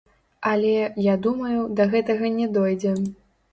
Але, я думаю, да гэтага не дойдзе.